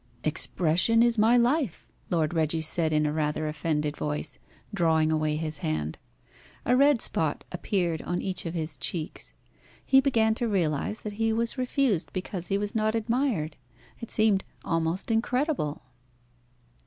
"Expression is my life," Lord Reggie said in a rather offended voice, drawing away his hand. A red spot appeared in each of his cheeks. He began to realise that he was refused because he was not admired. It seemed almost incredible.